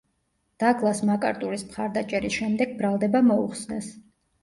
დაგლას მაკარტურის მხარდაჭერის შემდეგ ბრალდება მოუხსნეს.